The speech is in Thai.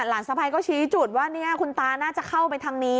สะพายก็ชี้จุดว่าคุณตาน่าจะเข้าไปทางนี้